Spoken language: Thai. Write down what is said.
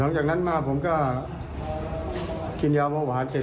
หลังจากนั้นมาผมก็กินยาเบาหวานเสร็จ